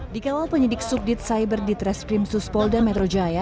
dikawal penyidik subdit cyber di treskrim suspolda metro jaya